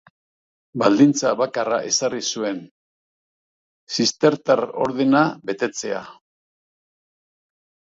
Baldintza bakarra ezarri zuen: zistertar ordena betetzea.